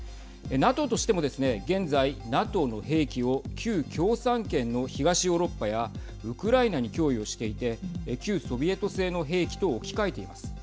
ＮＡＴＯとしてもですね、現在ＮＡＴＯの兵器を旧共産圏の東ヨーロッパやウクライナに供与していて旧ソビエト製の兵器と置き換えています。